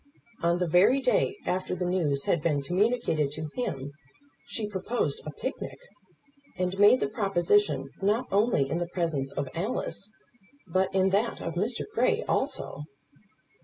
On the very day after the news had been communicated to him, she proposed a picnic, and made the proposition not only in the presence of Alice, but in that of Mr. Grey also!